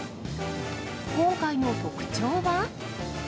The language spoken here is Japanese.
今回の特徴は。